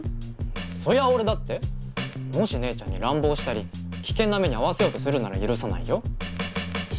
そりゃ俺だってもし姉ちゃんに乱暴したり危険な目に遭わせようとするなら許さないよ。